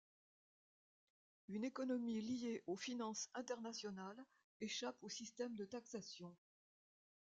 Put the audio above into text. Une économie liée aux finances internationales échappe aux systèmes de taxation.